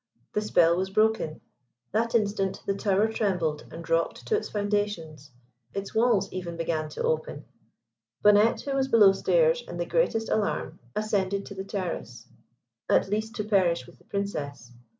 The spell was broken. That instant the tower trembled and rocked to his foundations. Its walls even began to open. Bonnette, who was below stairs, in the greatest alarm ascended to the terrace, at least to perish with the Princess.